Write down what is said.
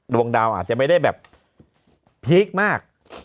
ดวงดาวอาจจะไม่ได้พลิกมาก